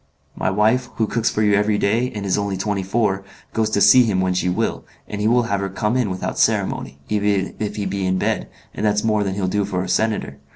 My wife, who cooks for you every day, and is only twenty four, goes to see him when she will, and he will have her come in without ceremony, even if he be in bed, and that's more than he'll do for a senator.